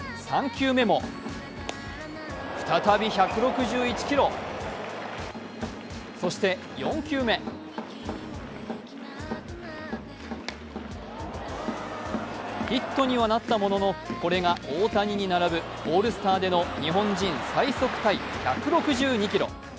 ３球目も再び１６１キロ、そして４球目ヒットにはなったもののこれが大谷に並ぶオールスターでの日本人最速タイ１６２キロ。